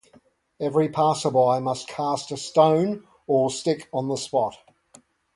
Every passerby must cast a stone or stick on the spot.